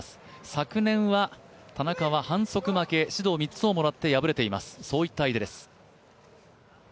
昨年は田中は反則負け、指導３つをもらって敗れている相手です。